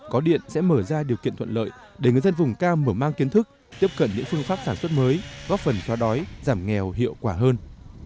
có điện sẽ mở ra điều kiện thuận lợi để người dân vùng cao mở mang kiến thức tiếp cận những phương pháp sản xuất mới góp phần xóa đói giảm nghèo hiệu quả hơn